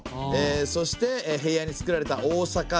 そして平野につくられた大坂城。